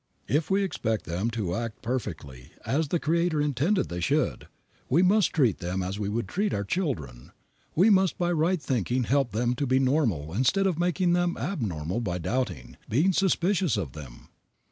If we expect them to act perfectly, as the Creator intended they should, we must treat them as we would treat our children. We must by right thinking help them to be normal instead of making them abnormal by doubting, being suspicious of them.